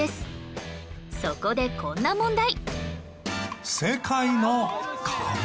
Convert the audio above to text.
そこでこんな問題